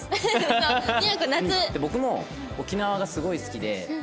僕も沖縄がすごい好きでえっすごい！